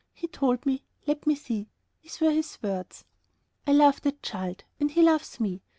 He told me, let me see, these were his words: "'I love that child, and he loves me.